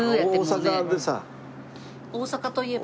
大阪といえば？